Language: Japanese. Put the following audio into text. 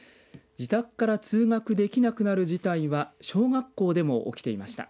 自宅から通学できなくなる事態は小学校でも起きていました。